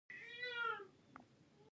غزني د افغان ځوانانو لپاره دلچسپي لري.